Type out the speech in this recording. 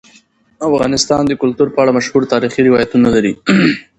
افغانستان د کلتور په اړه مشهور تاریخی روایتونه لري.